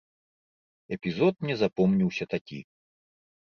Эпізод мне запомніўся такі.